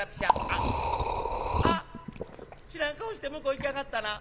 「あっあっ知らん顔して向こう行きやがったな。